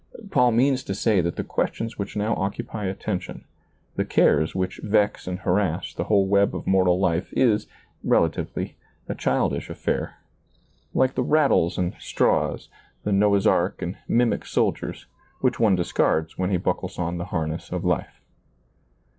Paul means to say that the questions which now occupy attention, the cares which vex and harass, the whole web of mortal life is, rela tively, a childish affair, like the rattles and straws, the Noah's ark and mimic soldiers, which one discards when he buckles on the harness of life.